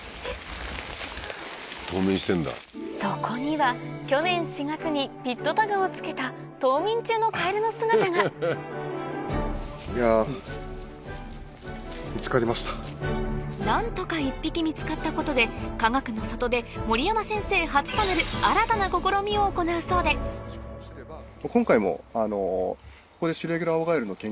そこには去年４月にピットタグをつけた何とか１匹見つかったことでかがくの里で守山先生初となる新たな試みを行うそうではい。